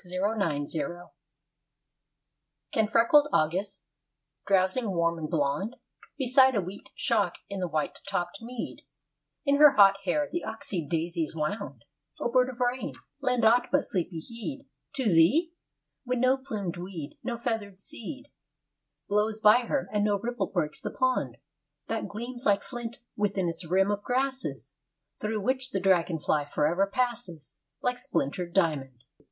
THE RAIN CROW I Can freckled August, drowsing warm and blond Beside a wheat shock in the white topped mead, In her hot hair the oxeyed daisies wound, O bird of rain, lend aught but sleepy heed To thee? when no plumed weed, no feather'd seed Blows by her; and no ripple breaks the pond, That gleams like flint within its rim of grasses, Through which the dragon fly forever passes Like splintered diamond.